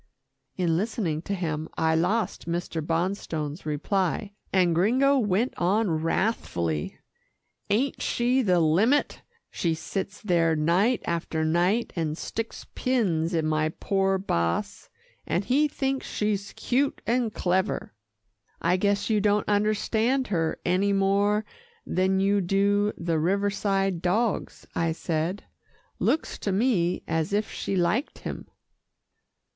In listening to him, I lost Mr. Bonstone's reply, and Gringo went on wrathfully, "Ain't she the limit! She sits there night after night and sticks pins in my poor boss, and he thinks she's cute and clever." "I guess you don't understand her any more than you do the Riverside dogs," I said. "Looks to me as if she liked him."